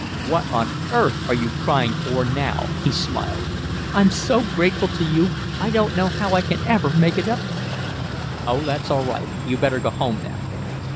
"What on earth are you crying for now?" he smiled. "I'm so grateful to you. I don't know how I can ever make it up to you?" "Oh, that's all right. You'd better go home now."